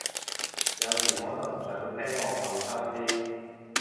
有時可能想聽落後生啲